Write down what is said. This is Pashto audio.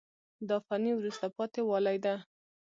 دا فني وروسته پاتې والی ده.